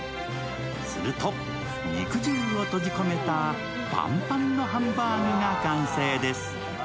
すると肉汁を閉じ込めたパンパンのハンバーグが完成です。